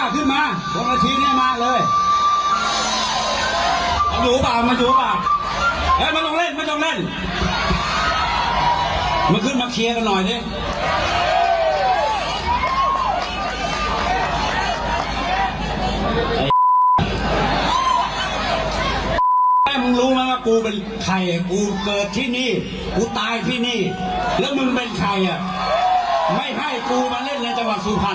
มึงรู้ไหมว่ากูเป็นใครกูเกิดที่นี่กูตายที่นี่แล้วมึงเป็นใครอ่ะไม่ให้กูมาเล่นในจังหวัดสุพรรณ